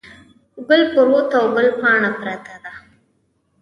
ګل پروت او ګل پاڼه پرته ده.